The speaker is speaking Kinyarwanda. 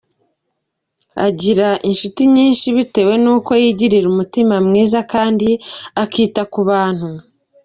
Agira inshuti nyinshi bitewe n’uko yigirira umutima mwiza kandi akita ku bantu.